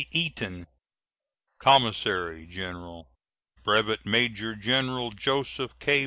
Eaton, Commissary General; Brevet Major General Joseph K.